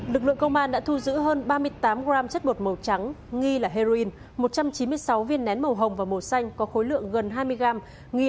lực lượng công an đã thu giữ hơn ba mươi tám g chất bột màu trắng nghi là heroin một trăm chín mươi sáu viên nén màu hồng và màu xanh có khối lượng gần hai mươi g nghi là ma túy tổng hợp loại hồng phiến